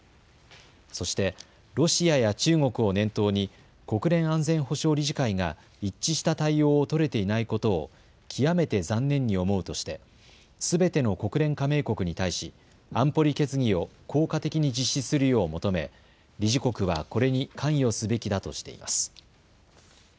そしてロシアや中国を念頭に国連安全保障理事会が一致した対応を取れていないことを極めて残念に思うとしてすべての国連加盟国に対し安保理決議を効果的に実施するよう求め理事国はこれに関与すべきだとしています。